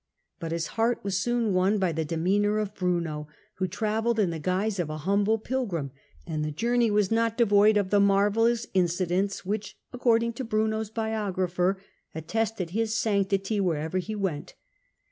But his heart was soon won by to Rome ^hc demcanour of Bruno, who travelled in the guise of a humble pilgrim ; and the journey was not devoid of the marvellous incidents which, according to Bruno's biographer, attested his sanctity wherever he went.